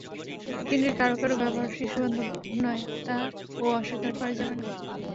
কেন্দ্রের কারও কারও ব্যবহার শিশুবান্ধব নয়, তা-ও অস্বীকার করা যাবে না।